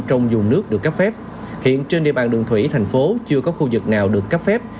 trong dùng nước được cấp phép hiện trên địa bàn đường thủy thành phố chưa có khu vực nào được cấp phép